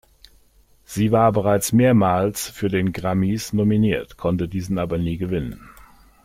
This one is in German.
Sie war bereits mehrmals für den "Grammis" nominiert, konnte diesen aber nie gewinnen.